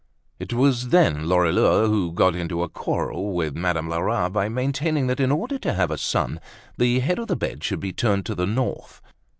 It was then Lorilleux who got into a quarrel with Madame Lerat by maintaining that, in order to have a son, the head of the bed should be turned to the north.